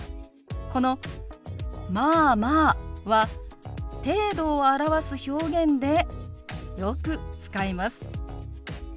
この「まあまあ」は程度を表す表現でよく使います。